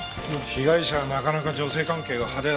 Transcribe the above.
被害者はなかなか女性関係が派手だったようです。